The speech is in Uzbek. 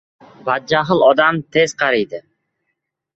• Badjahl odam tez qariydi.